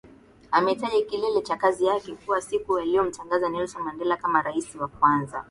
ametaja kilele cha kazi yake kuwa siku aliyomtangaza Nelson Mandela kama rais wa kwanza